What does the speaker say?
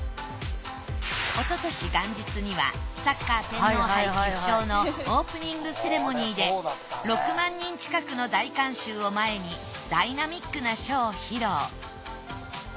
おととし元日にはサッカー天皇杯決勝のオープニングセレモニーで６万人近くの大観衆を前にダイナミックな書を披露。